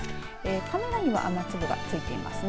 カメラには雨粒が付いていますね。